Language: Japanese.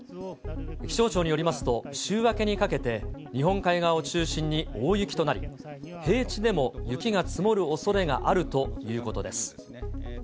気象庁によりますと、週明けにかけて、日本海側を中心に大雪となり、平地でも雪が積もるおそれがあるということです。